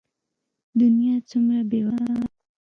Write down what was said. دنيا څومره بې وفا ده.